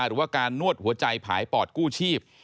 หรือว่าการนวดหัวใจผายปอดกู้ชีพ